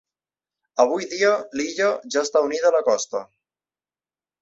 Avui dia l'illa ja està unida a la costa.